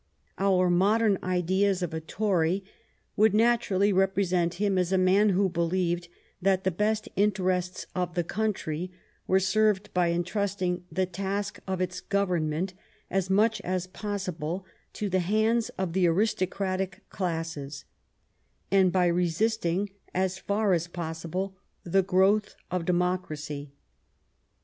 Our modern ideas of a Tory would naturally represent him as a man who believed that the best in terests of the country were served by intrusting the task of its government^ as much as possible, to the hands of the aristocratic classes, and by resisting, as far as possible, the growth of democracy.